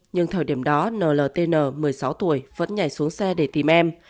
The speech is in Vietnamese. nhưng thời điểm đó nltn một mươi sáu tuổi vẫn nhảy xuống xe để tìm em